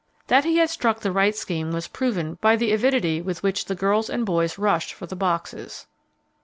That he had struck the right scheme was proven by the avidity with which the girls and boys rushed for the boxes.